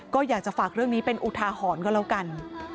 ก็อยากจะฝากเรื่องนี้เป็นอุทาหรณ์ก็แล้วกัน